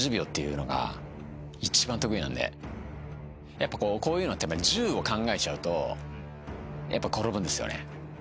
やっぱこういうのって十を考えちゃうとやっぱ転ぶんですよね。